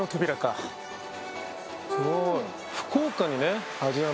すごい。